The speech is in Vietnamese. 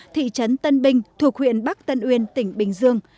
thị trấn tân bình thuộc huyện bắc tân uyên tỉnh bình dương